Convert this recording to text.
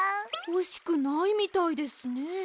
ほしくないみたいですね。